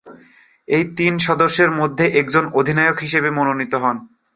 এ তিন সদস্যের মধ্যে একজন অধিনায়ক হিসেবে মনোনীত হন।